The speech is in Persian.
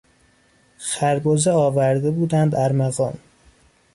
خربزه آورده بودند ارمغان.